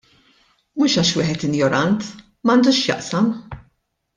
Mhux għax wieħed injorant; m'għandux x'jaqsam!